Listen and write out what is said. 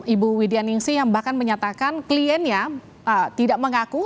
ibu widya ningsi yang bahkan menyatakan kliennya tidak mengaku